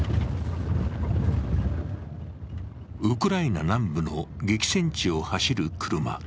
ウクライナ南部の激戦地を走る車。